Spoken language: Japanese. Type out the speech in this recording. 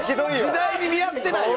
「時代に見合ってないよ」